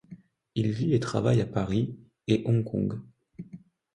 Il vit et travaille à Paris et Hong Kong.